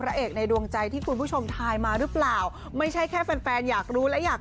เอกในดวงใจที่คุณผู้ชมทายมาหรือเปล่าไม่ใช่แค่แฟนแฟนอยากรู้และอยาก